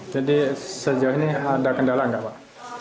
jadi sejauh ini ada kendala nggak pak